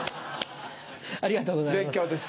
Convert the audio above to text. ありがとうございます。